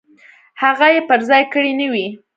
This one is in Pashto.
هغه یې پر ځای کړې نه وي.